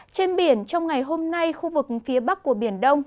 trên biển trong ngày hôm nay khu vực phía bắc của biển đông